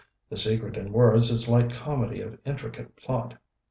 'The Secret in Words' is light comedy of intricate plot.